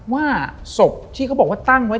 ว่าศพที่เขาบอกว่าตั้งไว้